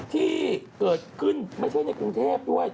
ที่เกิดขึ้นไม่ใช่ในกรุงเทพด้วย